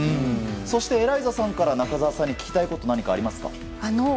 そしてエライザさんから中澤さんに聞きたいこと何かありますか？